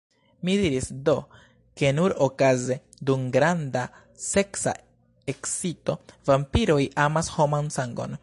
Mi diris do, ke nur okaze, dum granda seksa ekscito, vampiroj amas homan sangon.